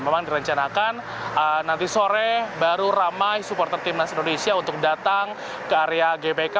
memang direncanakan nanti sore baru ramai supporter timnas indonesia untuk datang ke area gbk